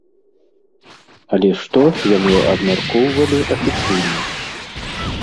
Але што яны абмяркоўвалі афіцыйна?